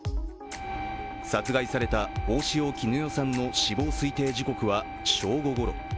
殺害された大塩衣与さんの死亡推定時刻は正午ごろ。